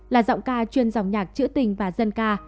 là giọng ca chuyên dòng nhạc trữ tình và dân ca